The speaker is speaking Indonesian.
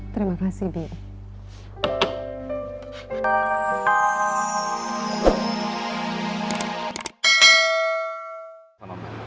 terima kasih di